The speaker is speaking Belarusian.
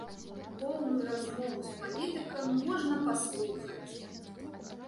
Поўную размову з палітыкам можна паслухаць!